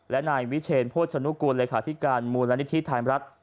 และนายวิเชนโภชนุกูลเลขาธิการมูลนิธิไทยรัฐ